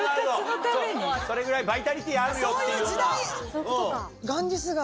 それぐらいバイタリティーあるよっていうような。